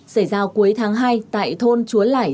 xảy ra cuối tháng hai tại thôn chúa lải